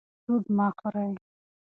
سود مه خورئ.